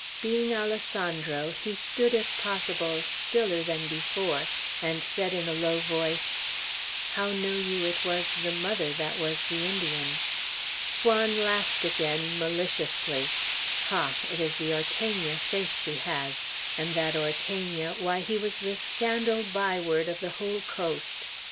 Being Alessandro, he stood if possible stiller than before, and said in a low voice, "How know you it was the mother that was the Indian?" Juan laughed again, maliciously: "Ha, it is the Ortegna face she has; and that Ortegna, why, he was the scandal byword of the whole coast.